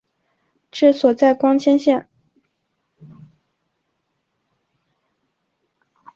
治所在光迁县。